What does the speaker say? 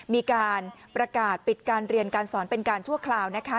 มีการประกาศปิดการเรียนการสอนเป็นการชั่วคราวนะคะ